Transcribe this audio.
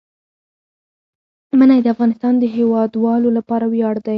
منی د افغانستان د هیوادوالو لپاره ویاړ دی.